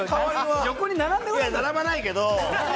いや、並ばないけど。